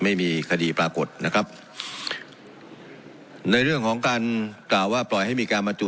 ไม่มีคดีปรากฏนะครับในเรื่องของการกล่าวว่าปล่อยให้มีการบรรจุ